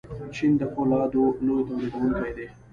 چین د فولادو لوی تولیدونکی دی.